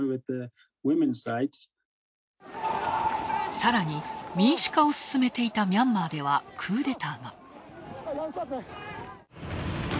さらに、民主化を進めていたミャンマーではクーデターが。